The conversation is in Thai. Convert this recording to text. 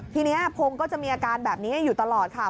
ทีนี้พงศ์ก็จะมีอาการแบบนี้อยู่ตลอดค่ะ